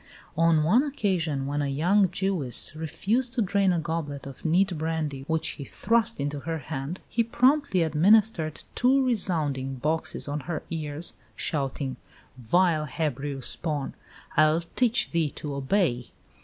On one occasion, when a young Jewess refused to drain a goblet of neat brandy which he thrust into her hand, he promptly administered two resounding boxes on her ears, shouting, "Vile Hebrew spawn! I'll teach thee to obey."